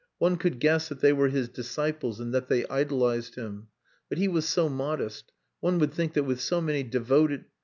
One could guess that they were his disciples and that they idolized him. But he was so modest. One would think that with so many devoted...."